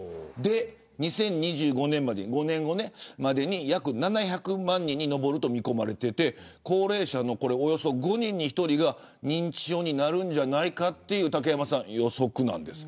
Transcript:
２０２５年まで、５年後までに約７００万人に上ると見込まれていて高齢者のおよそ５人に１人が認知症になるんじゃないかという予測です。